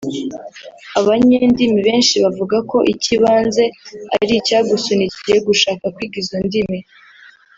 Abanyendimi benshi bavuga ko icy’ibanze ari icyagusunikiye gushaka kwiga izo ndimi